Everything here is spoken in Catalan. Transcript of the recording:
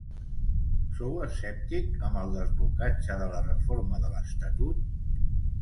Sou escèptic amb el desblocatge de la reforma de l’estatut?